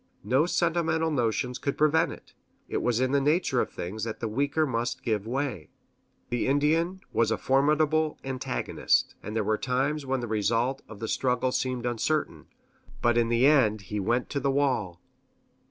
No sentimental notions could prevent it. It was in the nature of things that the weaker must give way. The Indian was a formidable antagonist, and there were times when the result of the struggle seemed uncertain; but in the end he went to the wall.